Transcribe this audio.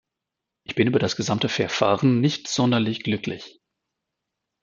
Ich bin über das gesamte Verfahren nicht sonderlich glücklich.